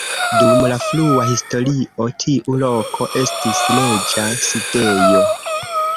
Dum la frua historio tiu loko estis reĝa sidejo.